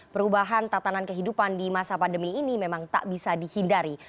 perubahan tatanan kehidupan di masa pandemi ini memang tak bisa dihindari